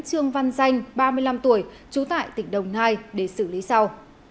trương văn danh ba mươi năm tuổi trú tại tỉnh đồng nai để xử lý sau